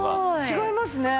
違いますね。